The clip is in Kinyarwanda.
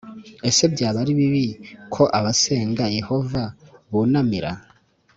Ese byaba ari bibi ko abasenga Yehova bunamira